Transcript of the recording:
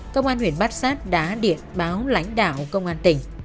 công an huyện bát sát đã điện báo lãnh đạo công an tỉnh